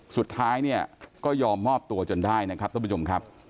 สุดท้ายเนี่ยก็ยอมมอบตัวจนได้นะครับท่านผู้ชมครับ